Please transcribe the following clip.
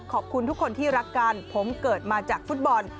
ขอบคุณทุกคนที่รักกันผมเกิดมาจากฟุตบอล